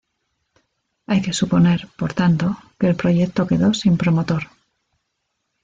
Hay que suponer, por tanto, que el proyecto quedó sin promotor.